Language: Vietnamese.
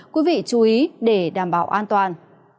quý vị chú ý để đảm bảo an toàn